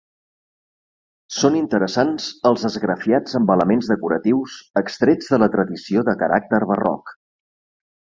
Són interessants els esgrafiats amb elements decoratius extrets de la tradició de caràcter barroc.